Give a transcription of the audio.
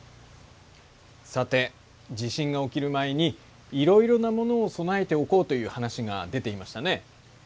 さて地震が起きる前にいろいろな物を備えておこうという話が出ていましたね。